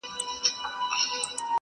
د دې قلا او د خانیو افسانې یادي وې-